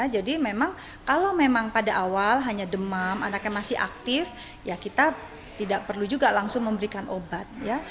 jadi memang kalau memang pada awal hanya demam anaknya masih aktif ya kita tidak perlu juga langsung memberikan obat